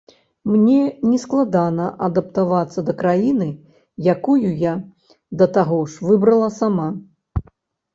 Мне нескладана адаптавацца да краіны, якую я, да таго ж, выбрала сама.